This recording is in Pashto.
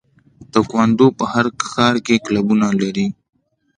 تکواندو په هر ښار کې کلبونه لري.